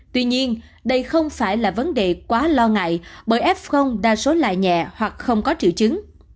tuy nhiên đây không phải là vấn đề quá lo ngại bởi f đa số lại nhẹ hoặc không có triệu chứng